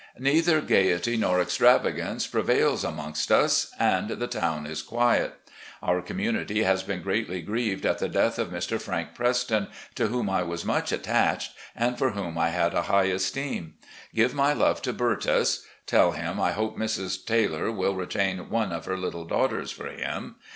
Neither gaiety nor extravagance prevails amongst us, and the town is quiet. Our community has been greatly grieved at the death of Mr. Frank Preston, to whom I was much attached and for whom I had a high esteem. Give my love to Bertus. Tell him I hope Mrs. Taylor will retain one of her little daughters for him.